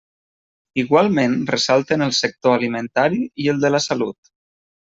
Igualment ressalten el sector alimentari i el de la salut.